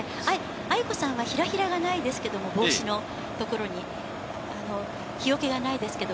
亜由子さんはひらひらがないですけども、帽子の所に、日よけがなそうですね。